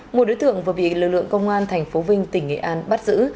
một đối tượng vừa bị lực lượng công an tp vinh tỉnh nghệ an bắt giữ